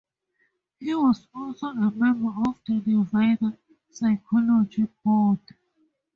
He was also a member of the Nevada Psychology Board.